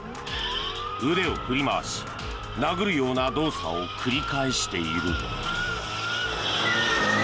腕を振り回し、殴るような動作を繰り返している。